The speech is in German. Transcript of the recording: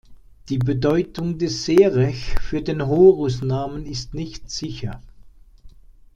Die Bedeutung des Serech für den Horusnamen ist nicht sicher.